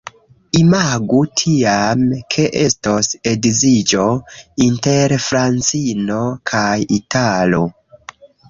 Imagu tiam, ke estos edziĝo inter francino kaj italo.